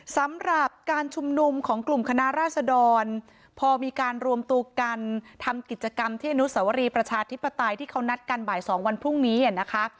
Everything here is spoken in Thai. สำหรับการชุมนุมของกลุ่มคณะราษดรพอมีการรวมตัวกันทำกิจกรรมที่อนุสวรีประชาธิปไตยที่เขานัดกันบ่าย๒วันพรุ่งนี้นะคะ